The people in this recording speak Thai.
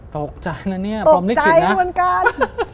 ตกใจนะเนี่ยปลอมลิขิตนะตกใจเหมือนกัน